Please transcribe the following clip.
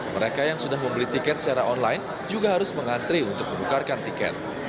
mereka yang sudah membeli tiket secara online juga harus mengantri untuk menukarkan tiket